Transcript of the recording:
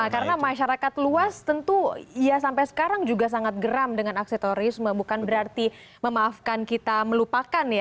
karena masyarakat luas tentu ya sampai sekarang juga sangat geram dengan aksesorisme bukan berarti memaafkan kita melupakan ya